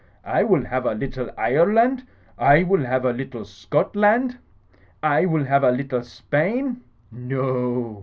I will have a little Ireland. I will have a little Scotland. I will have a little Spain?' No— o."